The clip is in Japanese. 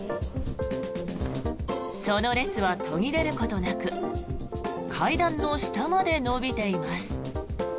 その列は途切れることなく階段の下まで延びています。